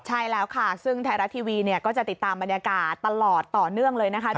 ใช่แล้วค่ะซึ่งไทยรัฐทีวีเนี่ยก็จะติดตามบรรยากาศตลอดต่อเนื่องเลยนะคะ